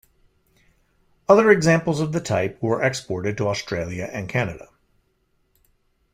Other examples of the type were exported to Australia and Canada.